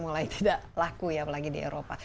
mulai tidak laku ya apalagi di eropa